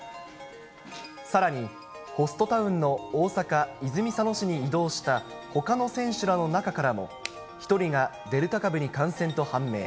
さらに、ホストタウンの大阪・泉佐野市に移動したほかの選手らの中からも、１人がデルタ株に感染と判明。